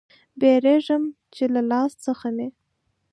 بیریږم چې له لاس څخه مې